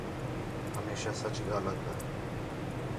ہمیشہ سچ ڳاہلا کر